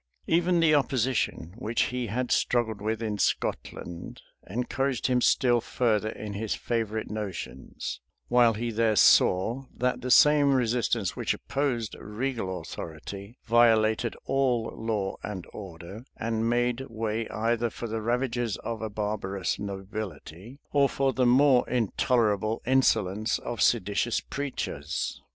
Even the opposition which he had struggled with in Scotland, encouraged him still further in his favorite notions; while he there saw, that the same resistance which opposed regal authority, violated all law and order, and made way either for the ravages of a barbarous nobility, or for the more intolerable insolence of seditious preachers.